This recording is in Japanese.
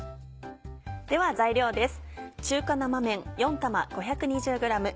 では材料です。